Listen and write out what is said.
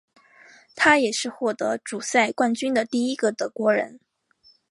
他也是获得主赛冠军的第一个德国人。